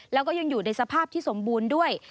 แล้วก็ยังอยู่ในสภาพที่สมบูรณ์ด้วย